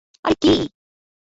আরে, কী?